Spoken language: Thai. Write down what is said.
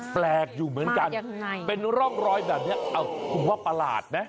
แปลกอยู่เหมือนกันเป็นร่องรอยแบบนี้คุณว่าประหลาดไหม